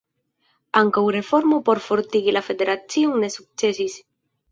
Ankaŭ reformo por fortigi la federacion ne sukcesis.